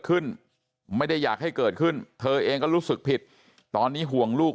ขึ้นไม่ได้อยากให้เกิดขึ้นเธอเองก็รู้สึกผิดตอนนี้ห่วงลูก